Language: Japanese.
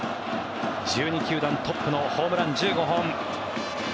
１２球団トップのホームラン１５本。